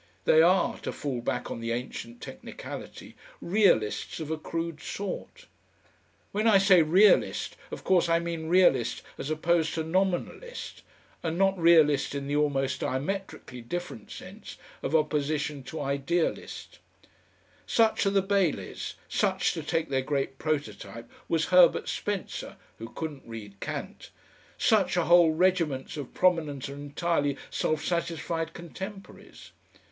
They are to fall back on the ancient technicality Realists of a crude sort. When I say Realist of course I mean Realist as opposed to Nominalist, and not Realist in the almost diametrically different sense of opposition to Idealist. Such are the Baileys; such, to take their great prototype, was Herbert Spencer (who couldn't read Kant); such are whole regiments of prominent and entirely self satisfied contemporaries.